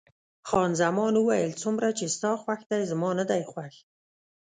خان زمان وویل: څومره چې ستا خوښ دی، زما نه دی خوښ.